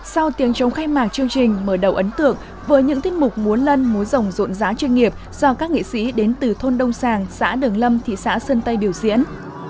sau tiếng trống khai mạc chương trình mở đầu ấn tượng với những thiết mục muốn lân muốn rộng rộn giá chuyên nghiệp do các nghị sĩ đến từ thôn đông sàng xã đường lâm thị xã sơn tây biểu diễn